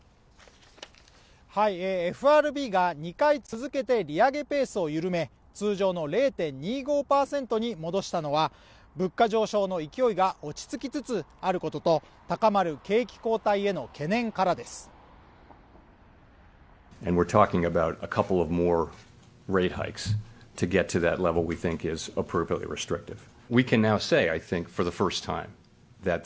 ＦＲＢが２回続けて利上げペースを緩め通常の０．２５％に戻したのは物価上昇の勢いが落ち着きつつあることと高まる景気後退への懸念からです